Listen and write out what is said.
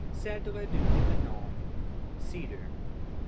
CÈDRE DU LIBANON (CEDAR).